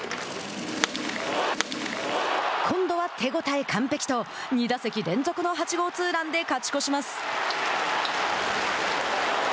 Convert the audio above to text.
今度は、手応え完璧と２打席連続の８号ツーランで勝ち越します。